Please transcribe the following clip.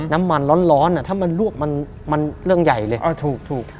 น้ำมันร้อนถ้ามันลวกมันเรื่องใหญ่เลยอ๋อถูก